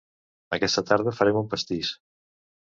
Aquesta tarda farem un pastís.